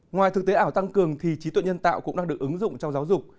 ngoài thực tế ảo tăng cường thì trí tuệ nhân tạo cũng đang được ứng dụng trong giáo dục